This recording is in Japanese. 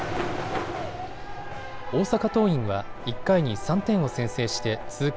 大阪桐蔭は１回に３点を先制して続く